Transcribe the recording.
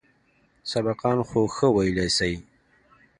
سبقان خو ښه ويلى سئ.